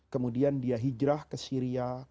kemudian dia hijrah ke syria